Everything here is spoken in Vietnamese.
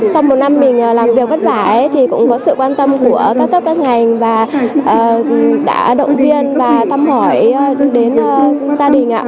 sau một năm mình làm việc vất vả thì cũng có sự quan tâm của các cấp các ngành và đã động viên và thăm hỏi đến gia đình